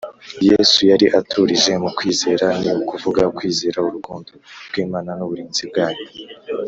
yesu yari aturije mu kwizera, ni ukuvuga kwizera urukundo rw’imana n’uburinzi bwayo,